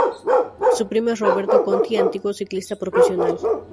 Su primo es Roberto Conti, antiguo ciclista profesional.